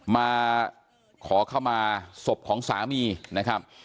มาขอเข้ามาศพของสามีนะครับ